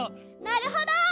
なるほど！